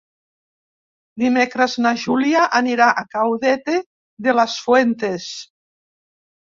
Dimecres na Júlia anirà a Caudete de las Fuentes.